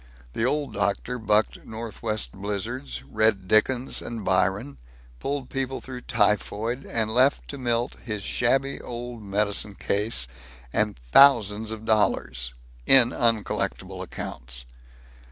The Old Doctor bucked northwest blizzards, read Dickens and Byron, pulled people through typhoid, and left to Milt his shabby old medicine case and thousands of dollars in uncollectible accounts.